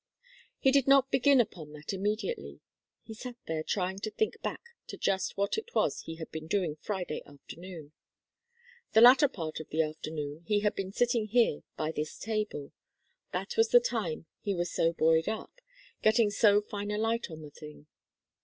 He did not begin upon that immediately. He sat there trying to think back to just what it was he had been doing Friday afternoon. The latter part of the afternoon he had been sitting here by this table. That was the time he was so buoyed up getting so fine a light on the thing.